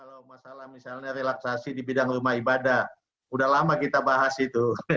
kalau masalah misalnya relaksasi di bidang rumah ibadah sudah lama kita bahas itu